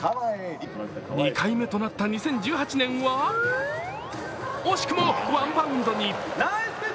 ２回目となった２０１８年は惜しくもワンバウンドに。